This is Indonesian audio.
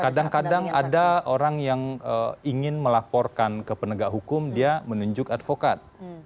kadang kadang ada orang yang ingin melaporkan ke penegak hukum dia menunjuk advokat